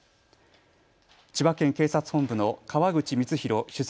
千葉県警察本部の川口光浩首席